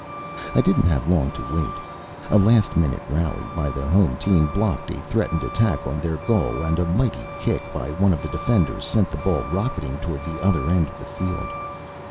I didn't have long to wait. A last minute rally by the home team blocked a threatened attack on their goal, and a mighty kick by one of the defenders sent the ball rocketing toward the other end of the field.